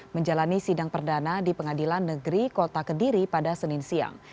menjalani sidang perdana di pengadilan negeri kota kediri pada senin siang